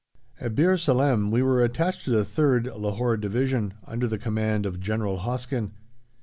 At Bir Salem we were attached to the 3rd (Lahore) Division, under the command of General Hoskin.